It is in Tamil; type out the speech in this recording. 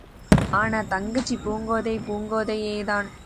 ஆனா, தங்கச்சி பூங்கோதை, பூங்கோதையேதான்!